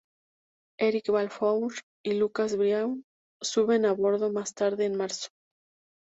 Eric Balfour y Lucas Bryant suben a bordo más tarde en Marzo.